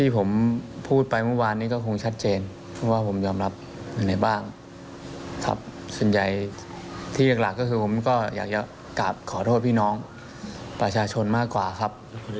ผมก็อยากขอโทษพี่น้องประชาชนมากกว่าครับ